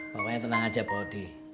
pokoknya tenang aja pak odi